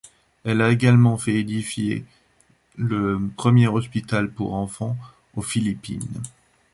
Elle a également fait édifier le premier hôpital pour enfants aux Philippines.